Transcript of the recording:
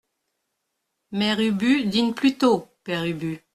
Mère Ubu Dîne plutôt, Père Ubu.